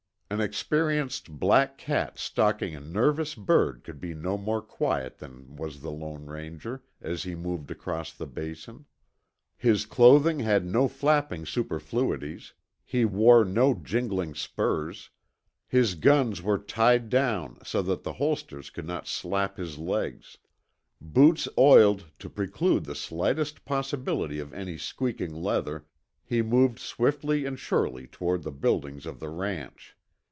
An experienced black cat stalking a nervous bird could be no more quiet than was the Lone Ranger as he moved across the Basin. His clothing had no flapping superfluities; he wore no jingling spurs; his guns were tied down so that the holsters could not slap his legs. Boots oiled to preclude the slightest possibility of any squeaking leather, he moved swiftly and surely toward the buildings of the ranch.